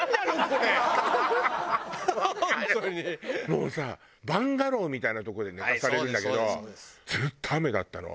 もうさバンガローみたいなとこで寝かされるんだけどずっと雨だったの。